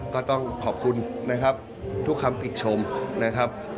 ก็ต้องขอบคุณนะครับทุกคำติชมนะครับ